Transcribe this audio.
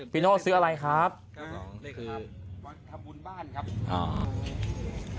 พี่โน่ซื้ออะไรครับเลขคือวันทำบุญบ้านครับอ๋อ